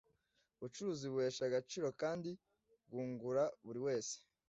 ubucuruzi buhesha agaciro kandi bwungura buri wese